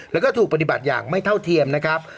แล้วก็ถูกปฏิบัติอย่างไม่เท่าเทียมนะครับ